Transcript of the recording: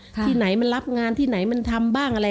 ที่ไหนมันรับงานที่ไหนมันทำบ้างอะไร